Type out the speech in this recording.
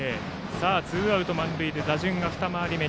ツーアウト満塁で打順が二回り目。